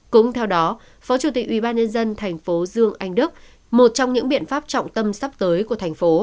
cũng theo đó phó chủ tịch ubnd tp dn một trong những biện pháp trọng tâm sắp tới của thành phố